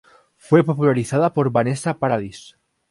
Fue popularizada por Vanessa Paradis.